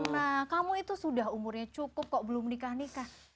nah kamu itu sudah umurnya cukup kok belum nikah nikah